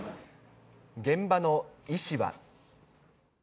現場の医師は。